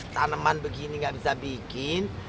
tanaman begini nggak bisa bikin